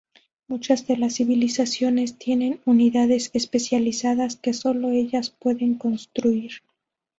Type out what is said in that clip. Muchas de las civilizaciones tienen unidades especializadas que sólo ellas pueden construir.